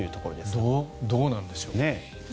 どうなんでしょうね。